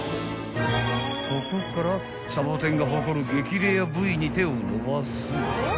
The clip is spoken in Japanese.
［ここからさぼてんが誇る激レア部位に手を伸ばす］